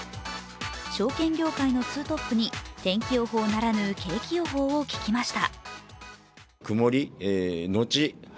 証券業界のツートップに天気予報ならぬ景気予報を聞きました。